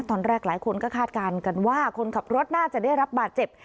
หลายคนก็คาดการณ์กันว่าคนขับรถน่าจะได้รับบาดเจ็บ